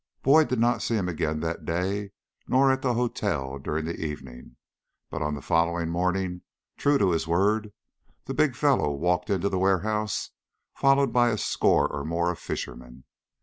Boyd did not see him again that day, nor at the hotel during the evening, but on the following morning, true to his word, the big fellow walked into the warehouse followed by a score or more of fishermen.